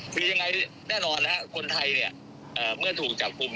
คือยังไงแน่นอนนะครับคนไทยเนี่ยเมื่อถูกจับกลุ่ม